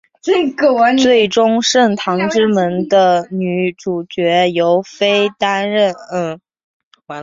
最终圣堂之门的女主角由飞担任。